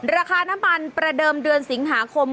ราคาน้ำมันประเดิมเดือนสิงหาคม